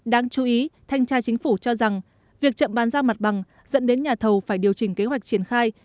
đáng chú ý thanh tra chính phủ cho rằng việc chậm bàn giao mặt bằng dẫn đến nhà thầu phải điều chỉnh kế hoạch triển khai